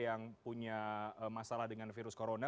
yang punya masalah dengan virus corona